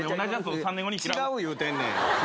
違う言うてんねん！